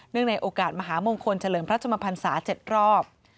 เนื่องในโอกาสมหามงคลเฉลิมพระจมพันธ์ศาสตร์๗รอบ